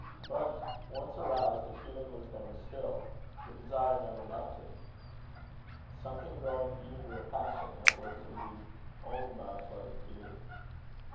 But once aroused, the feeling was never stilled; the desire never left him; sometimes growing even to a passion that was relieved only by a flood of tears.